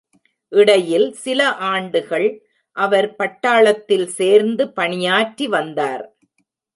இடையில் சில ஆண்டுகள் அவர் பட்டாளத்தில் சேர்ந்து பணியாற்றி வந்தார்.